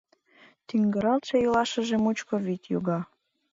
Туҥгыралтше йолашыже мучко вӱд йога.